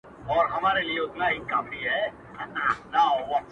ستا د حُسن د الهام جام یې څښلی,